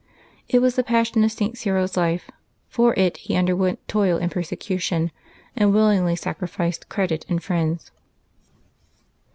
It was the passion of St. Cyril's life; for it he underwent toil and persecution, and willingly sacrificed credit and friends.